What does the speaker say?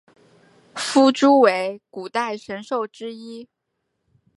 夫诸为古代神兽之一。